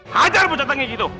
hajar bucat tangiq itu